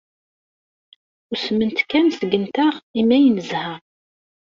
Usment kan seg-nteɣ imi ay nezha.